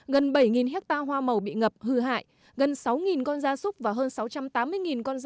gần bảy hectare hoa màu bị ngập hư hại gần sáu con da súc và hơn sáu trăm tám mươi con da cầm bị chết cuốn trôi